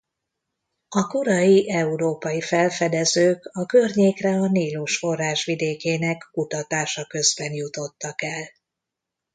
A korai európai felfedezők a környékre a Nílus forrásvidékének kutatása közben jutottak el.